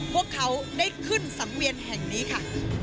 พวกเขาได้ขึ้นสังเวียนแห่งนี้ค่ะ